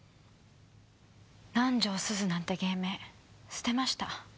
南条すずなんて芸名捨てました。